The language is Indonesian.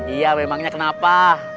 iya memangnya kenapa